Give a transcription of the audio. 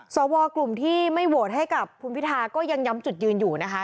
สวกลุ่มที่ไม่โหวตให้กับคุณพิทาก็ยังย้ำจุดยืนอยู่นะคะ